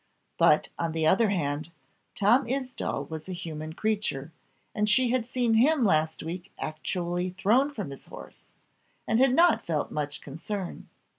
But, on the other hand, Tom Isdall was a human creature, and she had seen him last week actually thrown from his horse, and had not felt much concern.